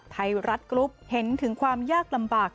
ไทยรัฐกรุ๊ปเห็นถึงความยากลำบาก